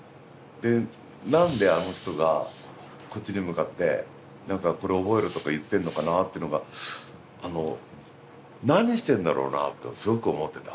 何であの人がこっちに向かって「これ覚えろ」とか言ってんのかなっていうのが何してんだろうなってすごく思ってた。